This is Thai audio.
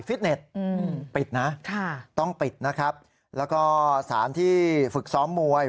เน็ตปิดนะค่ะต้องปิดนะครับแล้วก็สารที่ฝึกซ้อมมวย